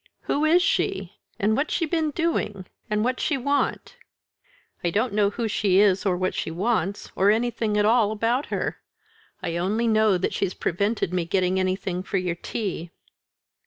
"Who is she? and what's she been doing? and what's she want?" "I don't know who she is, or what she wants, or anything at all about her. I only know that she's prevented me getting anything for your tea."